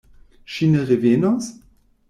Ŝi ne revenos?